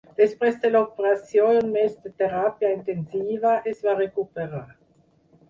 Després de l'operació i un mes de teràpia intensiva, es va recuperar.